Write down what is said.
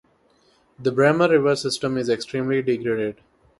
The Bremer River system is extremely degraded.